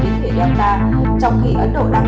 biến thể delta trong khi ấn độ đang